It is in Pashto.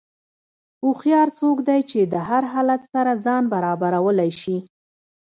هوښیار څوک دی چې د هر حالت سره ځان برابرولی شي.